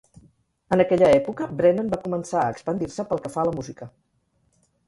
En aquella època, Brennan va començar a expandir-se pel que fa a la música.